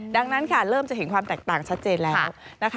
ดังนั้นค่ะเริ่มจะเห็นความแตกต่างชัดเจนแล้วนะคะ